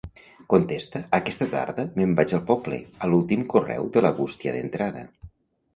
Contesta "aquesta tarda me'n vaig al poble" a l'últim correu de la bústia d'entrada.